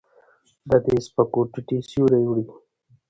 د دې سپکو ټيټې سورې وړي